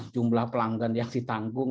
jumlah pelanggan yang ditanggung